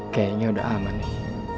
kayaknya udah aman nih